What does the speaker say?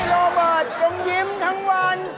ขอให้โลบัตรยิ้มทั้งวัน